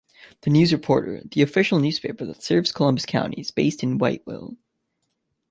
"The News Reporter," the official newspaper that serves Columbus County, is based in Whiteville.